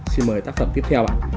xin mời tác phẩm tiếp theo ạ